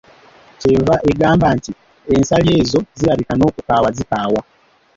Ky'eva egamba nti, ensaali ezo zirabika n'okukaawa zikaawa.